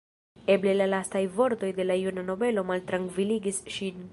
Eble la lastaj vortoj de la juna nobelo maltrankviligis ŝin.